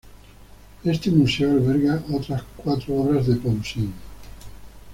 Este museo alberga otras cuatro obras de Poussin.